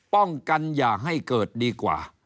ป้องกันอย่าให้เกิดดีกว่า